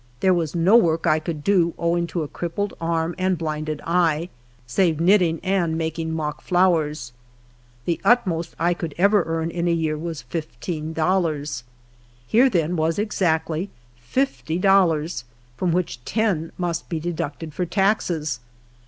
There was no work 1 could do owing to a crippled arm and blinded eye, save knitting and making mock flowers. The utmostf I could ever earn in a year was fifteen dollars. Here, then, was exactly fifty dollars, from which ten must l)e deducted for taxes.